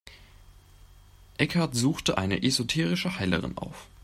Eckhart suchte eine esoterische Heilerin auf.